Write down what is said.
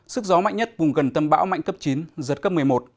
sức gió mạnh nhất vùng gần tâm bão mạnh cấp chín giật cấp một mươi một